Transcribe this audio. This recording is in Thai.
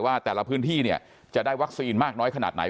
ว่าแต่ละพื้นที่เนี่ยจะได้วัคซีนมากน้อยขนาดไหน